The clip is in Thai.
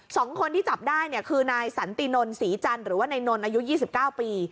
สองคนที่จับได้เนี่ยคือนายสันตินนศรีจันทร์หรือว่านายนนท์อายุยี่สิบเก้าปี